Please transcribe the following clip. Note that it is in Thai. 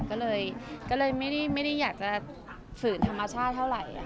ก็เลยไม่ได้อยากจะฝืนธรรมชาติเท่าไหร่